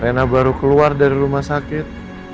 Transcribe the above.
pena baru keluar dari rumah sakit